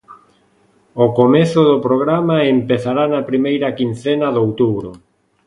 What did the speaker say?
O comezo do programa empezará na primeira quincena de outubro.